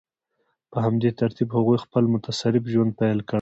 په همدې ترتیب هغوی خپل متصرف ژوند پیل کړ.